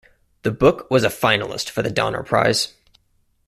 This book was a finalist for the Donner Prize.